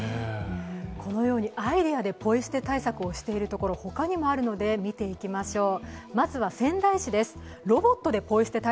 このようにアイデアでポイ捨て対策をしているところ他にもあるので見ていきましょう。